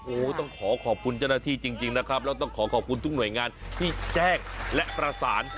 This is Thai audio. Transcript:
โอ้โหต้องขอขอบคุณเจ้าหน้าที่จริงนะครับแล้วต้องขอขอบคุณทุกหน่วยงานที่แจ้งและประสาน